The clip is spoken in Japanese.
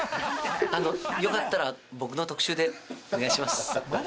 あの、よかったら、僕の特集でお願いします。